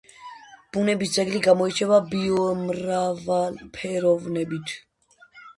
ბუნების ძეგლი გამოირჩევა ბიომრავალფეროვნებით.